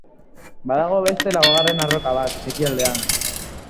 Badago beste laugarren arroka bat ekialdean.